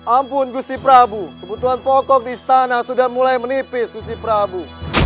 ampun gusti prabu kebutuhan pokok di istana sudah mulai menipis suci prabu